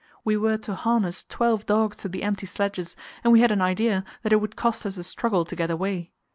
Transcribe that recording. We were to harness twelve dogs to the empty sledges, and we had an idea that it would cost us a struggle to get away.